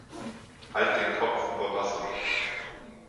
Halt den Kopf über Wasser!